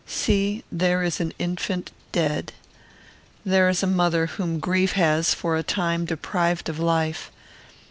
See; there is an infant dead. There is a mother whom grief has, for a time, deprived of life.